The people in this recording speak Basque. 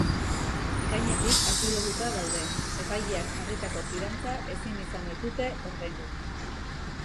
Ekainetik atxilotuta daude, epaileak jarritako fidantza ezin izan baitute ordaindu.